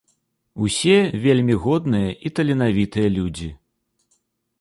Усе вельмі годныя і таленавітыя людзі.